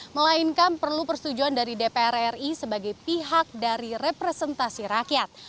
melainkan perlu persetujuan dari dpr ri sebagai pihak dari representasi rakyat